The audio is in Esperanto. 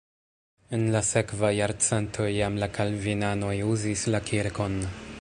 En la sekva jarcento jam la kalvinanoj uzis la kirkon.